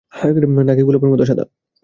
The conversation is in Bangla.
নাকি গোলাপের মতো সাদা?